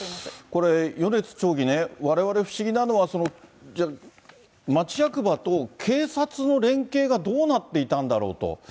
これ、米津町議ね、われわれ不思議なのは、町役場と警察の連携がどうなっていたんだろうと。